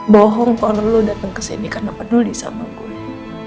bohong ponel lu dateng kesini karena peduli sama gue